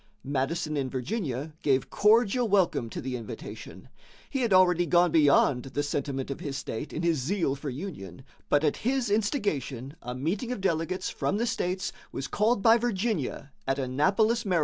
Madison in Virginia gave cordial welcome to the invitation. He had already gone beyond the sentiment of his state in his zeal for union, but at his instigation a meeting of delegates from the states was called by Virginia at Annapolis, Md.